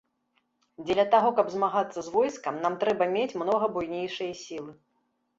Дзеля таго, каб змагацца з войскам, нам трэба мець многа буйнейшыя сілы.